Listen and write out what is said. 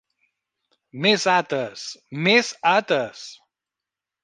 Més Ates, més Ates!